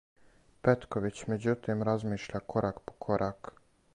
Петковић међутим размишља корак по корак.